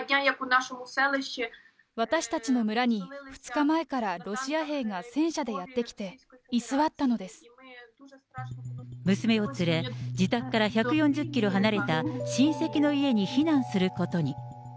私たちの村に、２日前からロシア兵が戦車でやって来て、居座娘を連れ、自宅から１４０キロ離れた親戚の家に避難することに。